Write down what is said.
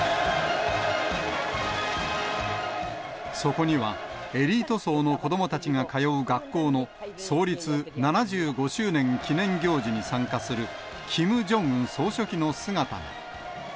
そこには、エリート層の子どもたちが通う学校の創立７５周年記念行事に参加するキム・ジョンウン総書記の姿が。